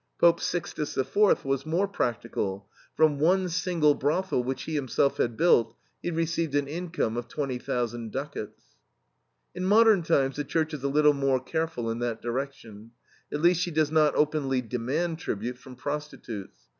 "Pope Sixtus IV. was more practical; from one single brothel, which he himself had built, he received an income of 20,000 ducats." In modern times the Church is a little more careful in that direction. At least she does not openly demand tribute from prostitutes.